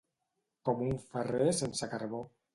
Com un ferrer sense carbó.